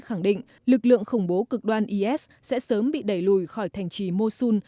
khẳng định lực lượng khủng bố cực đoan is sẽ sớm bị đẩy lùi khỏi thành trì mosun